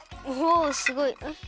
おすごい。